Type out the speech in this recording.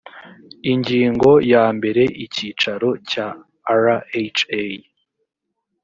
ingingo ya mbere icyicaro cya rha